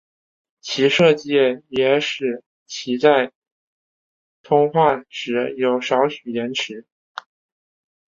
其设计也使其在通话时有少许延迟。